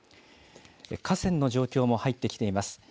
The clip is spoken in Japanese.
河川の状況も入ってきています。